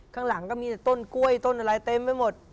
ข้างหลังก็มีแต่ต้นกล้วยต้นอะไรเต็มไปหมด